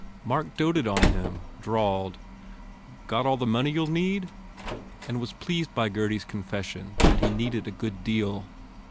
Mark doted on him, drawled, "Got all the money you ll need?" and was pleased by Gurdy s confession that he needed a good deal.